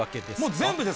全部です。